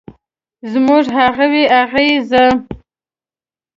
زموږ، هغوی ، هغې ،زه